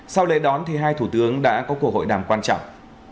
sau lễ đón thì hai thủ tướng đã có cơ hội đàm quan trọng